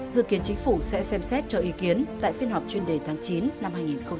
dự kiến chính phủ sẽ xem xét cho ý kiến tại phiên họp chuyên đề tháng chín năm hai nghìn hai mươi